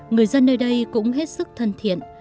người dân nơi đây cũng hết sức thân thiện